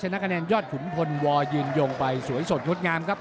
นะคะแนนยอดขุนพลวยืนยงไปสวยสดงดงามครับ